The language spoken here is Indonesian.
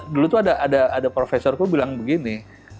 dulu tuh ada profesorku bilang begini